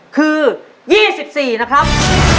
คือ๒๔นะครับ